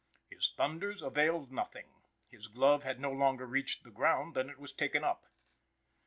His thunders availed nothing. His glove had no sooner reached the ground than it was taken up.